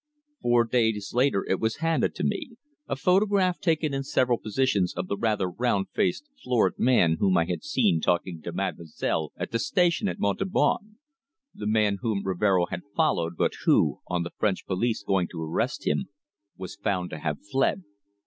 Four days later it was handed to me, a photograph taken in several positions of the rather round faced, florid man whom I had seen talking to Mademoiselle at the station at Montauban the man whom Rivero had followed, but who, on the French police going to arrest him, was found to have fled.